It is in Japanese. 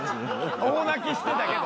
大泣きしてたけど。